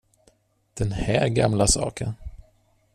Den här gamla saken?